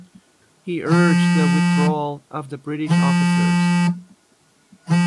He urged the withdrawal of the British officers.